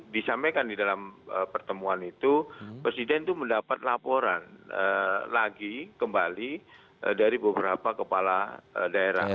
disampaikan di dalam pertemuan itu presiden itu mendapat laporan lagi kembali dari beberapa kepala daerah